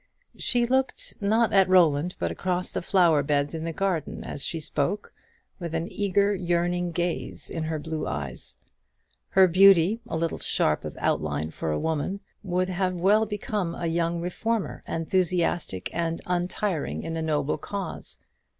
She looked, not at Roland, but across the flower beds in the garden as she spoke, with an eager yearning gaze in her blue eyes. Her beauty, a little sharp of outline for a woman, would have well become a young reformer, enthusiastic and untiring in a noble cause.